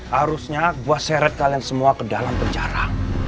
harusnya gue seret kalian semua ke dalam penjara